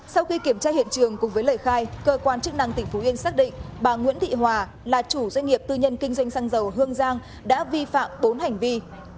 sau khi kiểm tra hiện trường cùng với lời khai cơ quan chức năng tỉnh phú yên xác định bà nguyễn thị hòa là chủ doanh nghiệp tư nhân kinh doanh xăng dầu hương giang đã vi phạm bốn hành vi